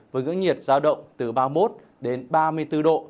với ngưỡng nhiệt giao động từ ba mươi một đến ba mươi bốn độ